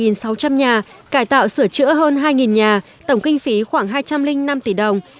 hỗ trợ xây mới trên ba sáu trăm linh nhà cải tạo sửa chữa hơn hai nhà tổng kinh phí khoảng hai trăm linh năm tỷ đồng